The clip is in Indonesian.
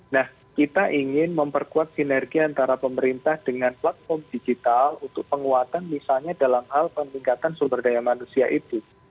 nah kita ingin memperkuat sinergi antara pemerintah dengan platform digital untuk penguatan misalnya dalam hal peningkatan sumber daya manusia itu